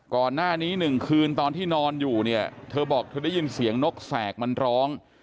ก่อนหน้านี้หนึ่งคืนตอนที่นอนอยู่เนี่ยเธอบอกเธอได้ยินเสียงนกแสกมันร้อง